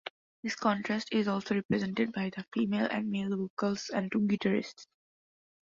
This contrast is also represented by the female and male vocals and two guitarists.